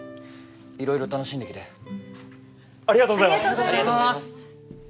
いろいろ楽しんできてありがとうございます！